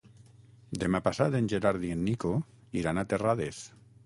Demà passat en Gerard i en Nico iran a Terrades.